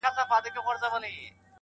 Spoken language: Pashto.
o وينه په وينو نه پاکېږي٫